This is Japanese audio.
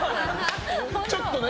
ちょっとね。